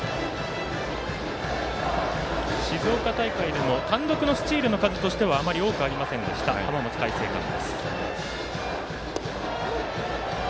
静岡大会でも単独でのスチールの数はあまり多くありませんでした浜松開誠館です。